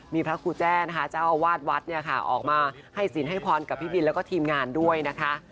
มีพระครูแจ้นะคะเจ้าอาวาสวัดเนี่ยค่ะออกมาให้สินให้พรกับพี่บินแล้วก็ทีมงานด้วยนะคะ